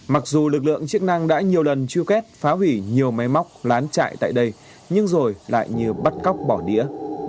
mặc dù lực lượng chức năng đã nhiều lần truy quét phá hủy nhiều máy móc lán chạy tại đây nhưng rồi lại như bắt cóc bỏ đĩa